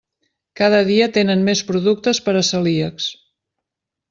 Cada dia tenen més productes per a celíacs.